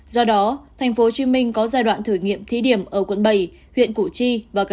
do đó tp hcm có giai đoạn thử nghiệm thí điểm ở quận bảy huyện củ chi